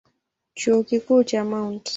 Chuo Kikuu cha Mt.